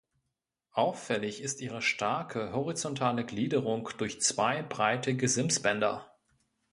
Auffällig ist ihre starke horizontale Gliederung durch zwei breite Gesimsbänder.